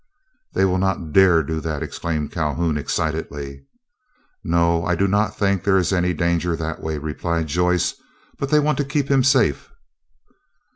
"They will not dare do that," exclaimed Calhoun, excitedly. "No, I do not think there is any danger that way," replied Joyce; "but they want to keep him safe."